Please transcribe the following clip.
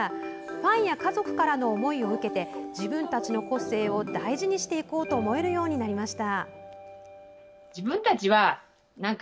ファンや家族からの思いを受けて自分たちの個性を大事にしていこうと思えるようになりました。